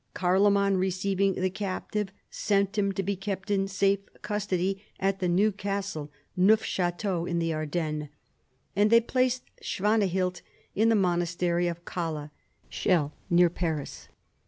Carloman receiving the captive sent him to be kept in safe custody at the New Castle (Neuf Chateau in the Ardennes) : and they placed Swana hild in the monastery of Cala (Chelles near Paris.)"